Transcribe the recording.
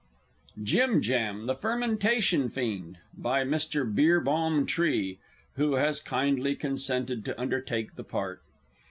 Jim Jam, the Fermentation Fiend. By Mr. BEERBOHM TREE (who has kindly consented to undertake the part).